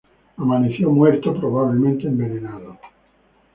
Amaneció muerto, probablemente envenenado.